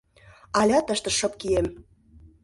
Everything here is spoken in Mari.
Алят тыште шып кием.